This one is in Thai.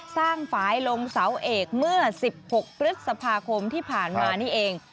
ฝ่ายลงเสาเอกเมื่อ๑๖พฤษภาคมที่ผ่านมานี่เอง